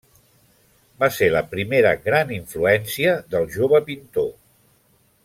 Va ser la primera gran influència del jove pintor.